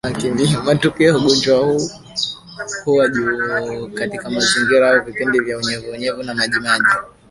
Matukio ya ugonjwa huu huwa juu katika mazingira au vipindi vya unyevunyevu na majimaji